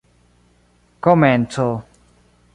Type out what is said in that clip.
komenco